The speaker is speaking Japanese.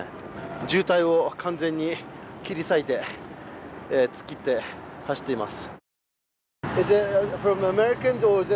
渋滞を完全に切り裂いて突っ切って走っています。